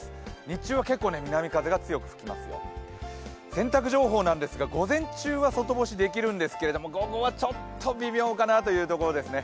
洗濯情報なんですが午前中は外干しできるんですが午後はちょっと微妙かなというところですね。